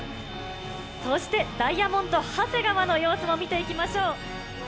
そしてダイヤモンド長谷川の様子も見ていきましょう。